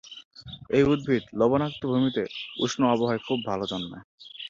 এই উদ্ভিদ লবণাক্ত ভূমিতে, উষ্ণ আবহাওয়ায় খুব ভাল জন্মে।